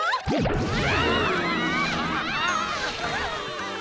うわ！